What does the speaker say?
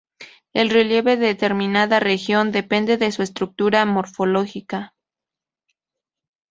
El relieve de determinada región depende de su estructura morfológica.